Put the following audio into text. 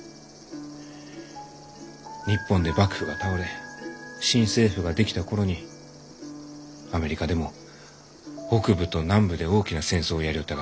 日本で幕府が倒れ新政府が出来た頃にアメリカでも北部と南部で大きな戦争をやりよったがじゃ。